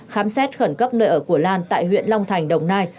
khám xét khẩn cấp nơi ở của lan tại huyện long thành đồng nai